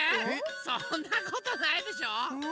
そんなことないでしょ。